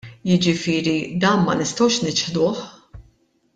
Jiġifieri dan ma nistgħux niċħduh.